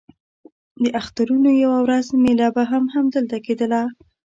د اخترونو یوه ورځ مېله به هم همدلته کېدله.